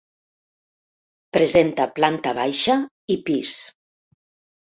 Presenta planta baixa i pis.